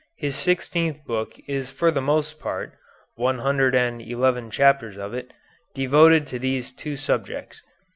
His sixteenth book is for the most part (one hundred and eleven chapters of it) devoted to these two subjects.